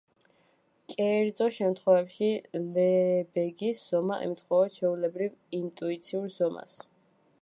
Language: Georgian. კერძო შემთხვევებში ლებეგის ზომა ემთხვევა ჩვეულებრივ ინტუიციურ ზომას.